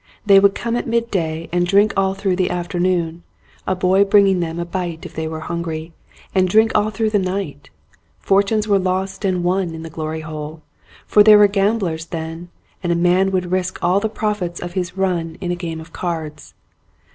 They would come at midday and drink all through the afternoon, a boy bringing them a bite if they were hungry, and drink all through the night. Fortunes were lost and won in the Glory Hole, for they were gamblers then and a man would risk all the profits of his run in a game of cards.